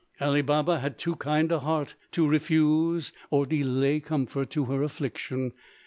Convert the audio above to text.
Ali Baba had too kind a heart to refuse or delay comfort to her affliction.